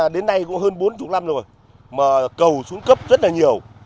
đến nay cũng hơn bốn mươi năm rồi mà cầu xuống cấp rất là nhiều